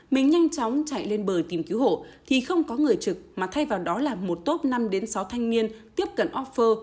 mình nhanh chóng chạy lên bờ tìm kiếm cứu hộ thì không có người trực mà thay vào đó là một top năm sáu thanh niên tiếp cận offer